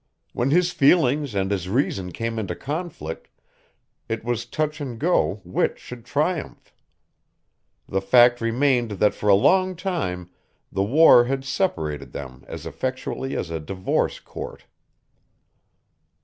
When his feelings and his reason came into conflict, it was touch and go which should triumph. The fact remained that for a long time the war had separated them as effectually as a divorce court.